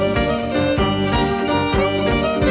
สวัสดีครับ